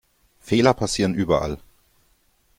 Fehler passieren überall.